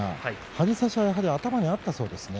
張り差しは頭にあったそうです。